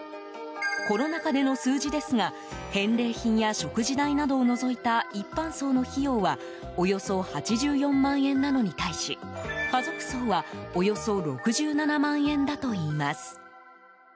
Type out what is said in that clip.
コロナ禍での数字ですが返礼品や食事代などを除いた一般葬の費用はおよそ８４万円なのに対し家族葬はおよそ６７万円だといいます。